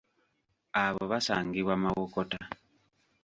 Abo basangibwa Mawokota.